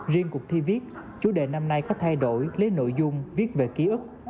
riêng cuộc thi viết chủ đề năm nay có thay đổi lấy nội dung viết về ký ức